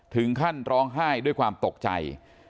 ถึงขั้นร้องไห้ด้วยความตกใจ